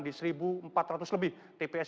di satu empat ratus lebih tps